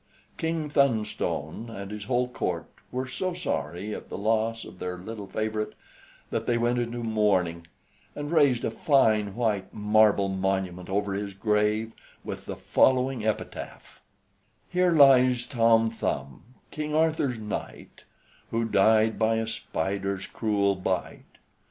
King Thunstone and his whole court were so sorry at the loss of their little favorite, that they went into mourning, and raised a fine white marble monument over his grave, with the following epitaph: "Here lies Tom Thumb, King Arthur's knight, Who died by a spider's cruel bite.